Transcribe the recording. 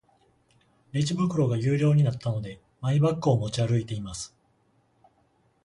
レジ袋が有料になったので、マイバッグを持ち歩いています。